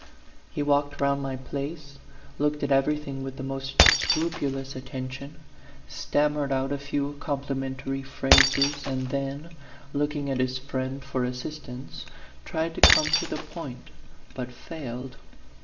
He walked round my place, looked at everything with the most scrupulous attention, stammered out a few complimentary phrases, and then, looking at his friend for assistance, tried to come to the point, but failed.